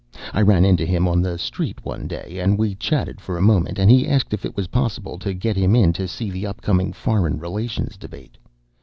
I ran into him on the street one day, and we chatted for a moment, and he asked if it was possible to get him in to see the upcoming foreign relations debate.